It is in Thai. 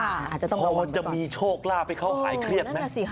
อาจจะต้องระวังกันก่อนค่ะอ๋อนั่นแหละสิค่ะพอว่าจะมีโชคลาภให้เขาหายเครียดมั้ย